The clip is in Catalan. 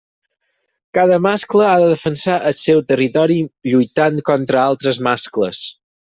Cada mascle ha de defensar el seu territori lluitant contra altres mascles.